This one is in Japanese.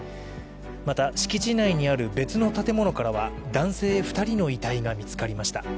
また、敷地内にある別の建物からは男性２人の遺体が見つかりました。